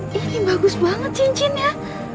rizal ini bagus banget cincinnya